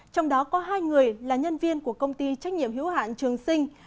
trong đó có hai người là nhân viên của công ty trách nhiệm hiếu hạn trường sinh